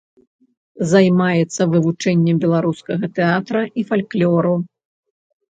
Займаецца вывучэннем беларускага тэатра і фальклору.